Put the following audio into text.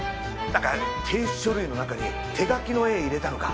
なんか提出書類の中に手描きの絵入れたのか？